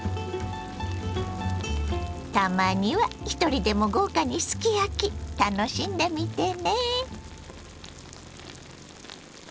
たまにはひとりでも豪華にすき焼き楽しんでみてね！